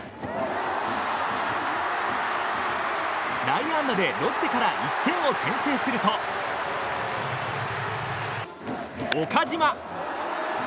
内野安打でロッテから１点を先制すると岡島。